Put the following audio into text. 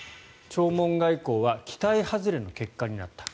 弔問外交は期待外れの結果になった。